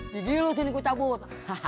digilu sini ku cabut